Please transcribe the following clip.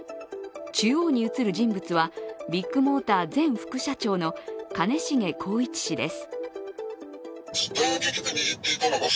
中央に写る人物はビッグモーター前副社長の兼重宏一氏です。